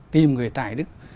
tìm người tài đức